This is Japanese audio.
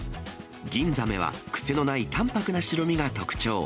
ギンザメは、癖のない淡白な白身が特徴。